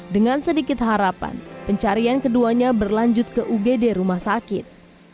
dengan sedikit harapan pencarian keduanya berlanjut ke ugd rumah sakit